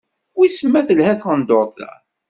Wis ma telha tqendurt-a?